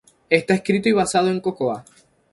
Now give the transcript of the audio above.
Está escrito y basado en Cocoa.